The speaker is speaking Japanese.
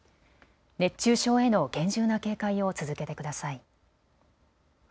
熱中症への厳重な警戒を続けてください。